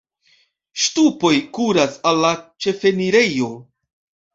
Ŝtupoj kuras al la ĉefenirejo.